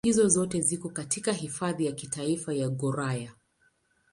Sehemu hizo zote ziko katika Hifadhi ya Kitaifa ya Gouraya.